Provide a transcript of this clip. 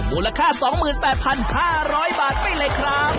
มูลค่า๒๘๕๐๐บาทไปเลยครับ